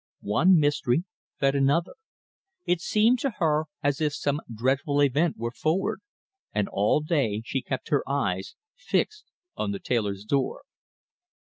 One mystery fed another. It seemed to her as if some dreadful event were forward; and all day she kept her eyes fixed on the tailor's door.